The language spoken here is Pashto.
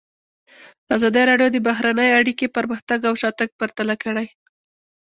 ازادي راډیو د بهرنۍ اړیکې پرمختګ او شاتګ پرتله کړی.